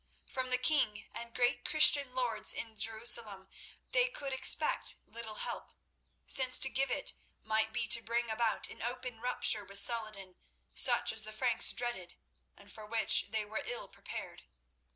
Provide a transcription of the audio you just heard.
From the king and great Christian lords in Jerusalem they could expect little help, since to give it might be to bring about an open rupture with Saladin, such as the Franks dreaded, and for which they were ill prepared.